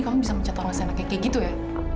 kamu bisa mencat orang asli anak keke gitu ya